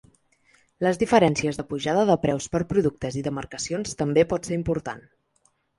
Les diferències de pujada de preus per productes i demarcacions també pot ser important.